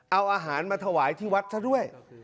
เอาอาหารมาถวายที่วัดซะด้วย